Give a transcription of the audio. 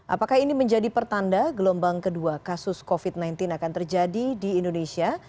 apakah ini menjadi pertanda gelombang kedua kasus covid sembilan belas akan terjadi di indonesia